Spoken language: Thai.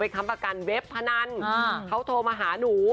ค้ำประกันเว็บพนันเขาโทรมาหาหนู